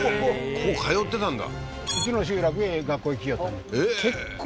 ここ通ってたんだ？